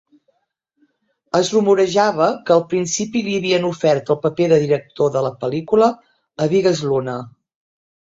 Es rumorejava que al principi li havien ofert el paper de director de la pel·lícula a Bigas Luna.